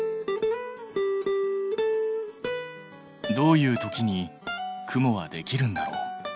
どういう時に雲はできるんだろう？